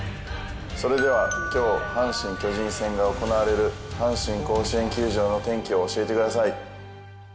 それではきょう、阪神・巨人戦が行われる阪神甲子園球場の天気を教えてください。